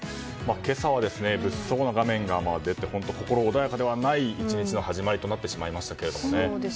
今朝は物騒な画面が出て本当、心穏やかではない１日の始まりとなってしまいましたね。